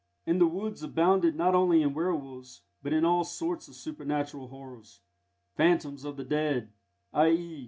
And the woods abounded not only in werwolves, but in all sorts of supernatural horrors phantoms of the dead, _i.e.